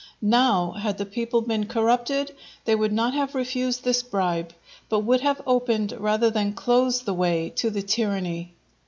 Now, had the people been corrupted, they would not have refused this bribe, but would have opened rather than closed the way to the tyranny.